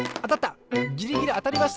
ギリギリあたりました。